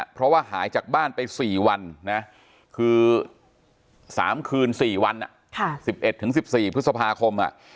เพราะว่าหายจากบ้านไป๔วันนะคือ๓คืน๔วัน๑๑๑๔พฤษภาคม